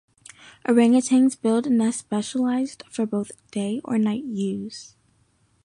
Orangutans build nests specialized for both day or night use.